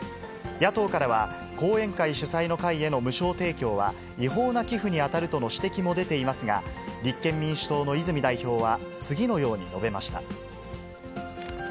野党からは、後援会主催の会への無償提供は違法な寄付に当たるとの指摘も出ていますが、立憲民主党の泉代表は、次のように述べました。